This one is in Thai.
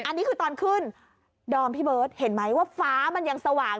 อันนี้คือตอนขึ้นดอมพี่เบิร์ตเห็นไหมว่าฟ้ามันยังสว่าง